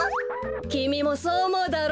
きみもそうおもうだろ？